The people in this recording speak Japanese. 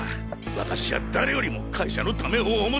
私は誰よりも会社のためを思って。